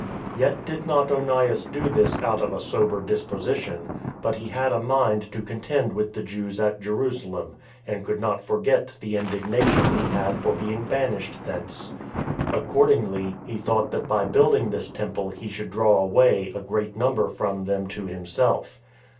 Yet did not Onias do this out of a sober disposition, but he had a mind to contend with the Jews at Jerusalem, and could not forget the indignation he had for being banished thence. Accordingly, he thought that by building this temple he should draw away a great number from them to himself.